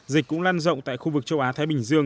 dịch cũng lan rộng tại khu vực châu á thái bình dương